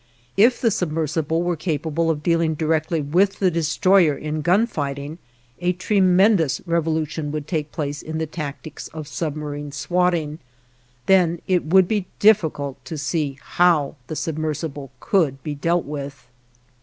If the submersible were capable of dealing directly with the destroyer in gun fighting, a tremendous revolution would take place in the tactics of "submarine swatting." Then it would be difficult to see how the submersible could be dealt with.